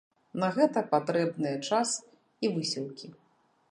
На гэта патрэбныя час і высілкі.